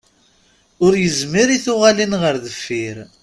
Ur yezmir i tuɣalin ɣer deffir.